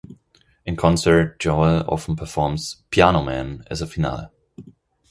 In concert, Joel often performs "Piano Man" as a finale.